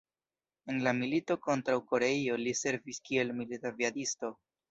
En la milito kontraŭ Koreio li servis kiel milit-aviadisto.